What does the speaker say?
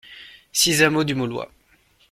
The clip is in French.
six hameau du Moulois